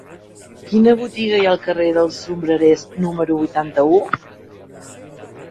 Quina botiga hi ha al carrer dels Sombrerers número vuitanta-u?